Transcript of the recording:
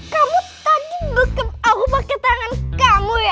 kamu tadi berem aku pake tangan kamu ya